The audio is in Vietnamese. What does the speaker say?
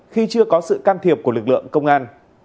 khi chưa có sự can thiệp của lực lượng công an